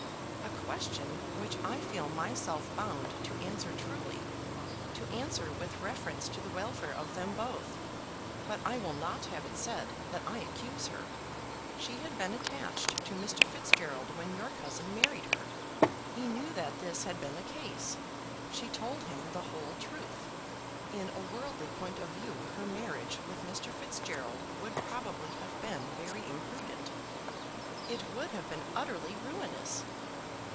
"A question which I feel myself bound to answer truly, to answer with reference to the welfare of them both; but I will not have it said that I accuse her. She had been attached to Mr. Fitzgerald when your cousin married her. He knew that this had been the case. She told him the whole truth. In a worldly point of view her marriage with Mr. Fitzgerald would probably have been very imprudent." "It would have been utterly ruinous."